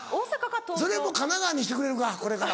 それも神奈川にしてくれるか？